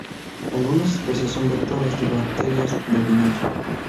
Algunas especies son vectores de bacterias del vinagre.